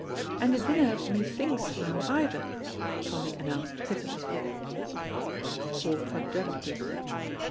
"And you dinna have 'Methinks' now either," Tommy announced pitilessly. Corp had dreaded this.